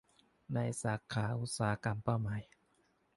ในสาขาอุตสาหกรรมเป้าหมาย